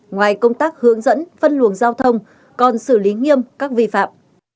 ngoài công tác hướng dẫn phân luồng giao thông còn xử lý nghiêm các vi phạm